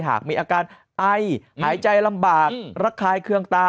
หากมีอาการไอหายใจลำบากระคายเคืองตา